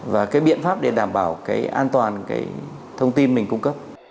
và cái biện pháp để đảm bảo cái an toàn cái thông tin mình cung cấp